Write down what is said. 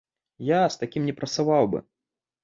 Я з такімі не працаваў бы.